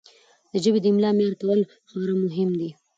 د ژبې د املاء معیار کول خورا مهم دي.